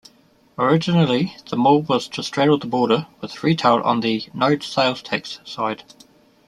Originally, the mall was to straddle the border, with retail on the no-sales-tax side.